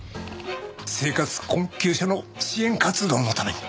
生活困窮者の支援活動のために。